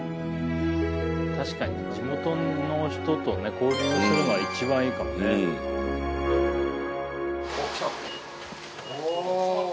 確かに地元の人とね交流するのはいちばんいいかもね。来た。おぉ！